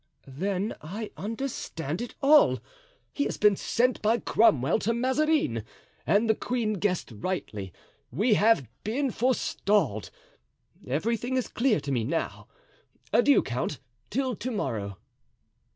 "Then I understand it all! he has been sent by Cromwell to Mazarin, and the queen guessed rightly; we have been forestalled. Everything is clear to me now. Adieu, count, till to morrow."